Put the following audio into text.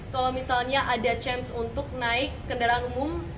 kalau misalnya ada chance untuk naik kendaraan umum